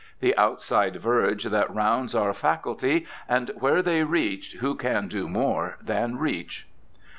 The outside verge that rounds our faculty, And w^here they reached who can do more than reach?